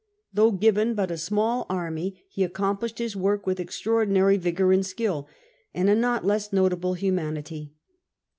Though given but a small army, he accomplished his work with extraordinary vigour and skill, and a not less notable humanity.